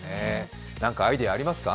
何かアイデアありますか？